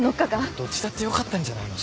どっちだってよかったんじゃないの？